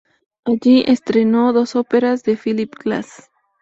Allí estrenó dos óperas de Philip Glass.